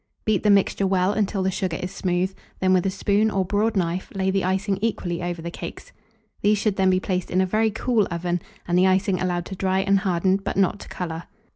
Beat the mixture well until the sugar is smooth; then with a spoon or broad knife lay the icing equally over the cakes. These should then be placed in a very cool oven, and the icing allowed to dry and harden, but not to colour.